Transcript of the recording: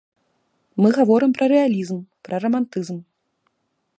Мы гаворым пра рэалізм, пра рамантызм.